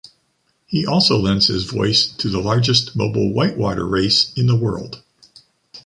He also lends his voice to the largest mobile white-water race in the world.